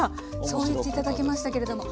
そう言って頂きましたけれども。